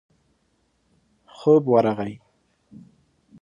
خوب ورغی.